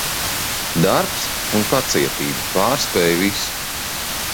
Darbs un pacietība pārspēj visu.